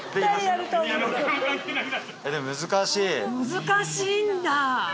難しいんだ！